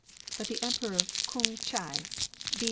But the Emperor K'ung Chia, B.